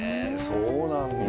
そうなんだ。